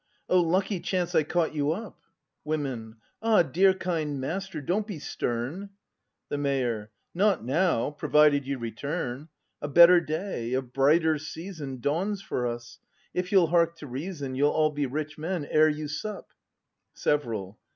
] O lucky chance I caught you up! Women. Ah, dear kind master, don't be stern! The Mayor. Not now; provided you return! A better day, a brighter season Dawns for us! If you'll hark to reason, You'll all be rich men ere you sup! Several.